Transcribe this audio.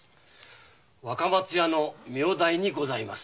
若松屋の名代にございます。